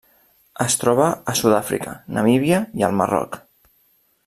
Es troba a Sud-àfrica, Namíbia i el Marroc.